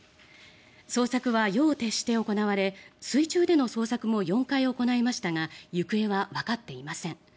捜索は夜を徹して行われ水中での捜索も４回行いましたが行方はわかっていません。